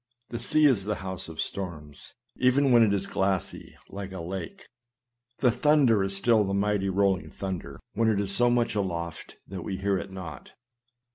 The sea is the house of storms, even when it is glassy as a lake ; the thunder is still the mighty rolling thunder, when it is so much aloft that we hear it not.